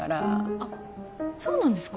あっそうなんですか？